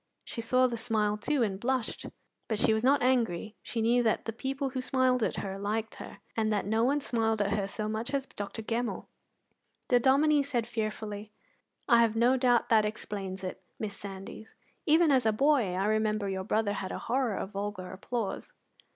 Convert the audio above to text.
She saw the smile, too, and blushed; but she was not angry: she knew that the people who smiled at her liked her, and that no one smiled so much at her as Dr. Gemmell. The Dominie said fearfully: "I have no doubt that explains it, Miss Sandys. Even as a boy I remember your brother had a horror of vulgar applause."